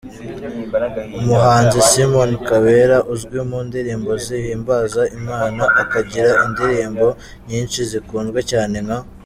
Umuhanzi Simon Kabera uzwi mu ndirimbo zihimbaza Imana, akagira indirimbo nyinshi zikunzwe cyane nka.